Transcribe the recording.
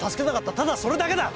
ただそれだけだ！